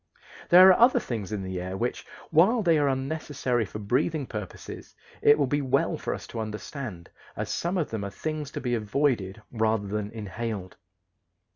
There are other things in the air which, while they are unnecessary for breathing purposes, it will be well for us to understand, as some of them are things to be avoided rather than inhaled.